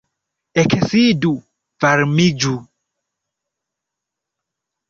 Eksidu, varmiĝu.